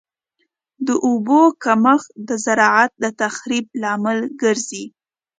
د اوبو کمښت د زراعت د تخریب لامل ګرځي.